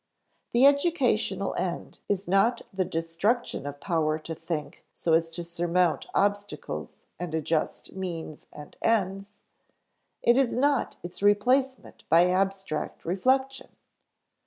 The educational end is not the destruction of power to think so as to surmount obstacles and adjust means and ends; it is not its replacement by abstract reflection.